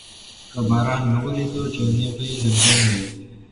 که باران نه وریده، جامې به یې لمدې نه وای.